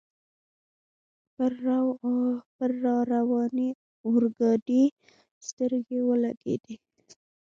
پر را روانې اورګاډي سترګې ولګېدې.